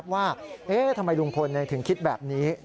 ว่าทำไมลุงพลถึงคิดแบบนี้